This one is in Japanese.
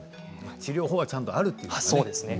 治療法もちゃんとあるということなんですね。